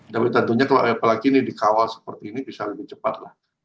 tapi tentunya kalau apalagi ini dikawal seperti ini bisa lebih cepat lah